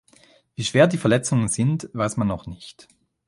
Wie schwer die Verletzungen sind, weiß man noch nicht.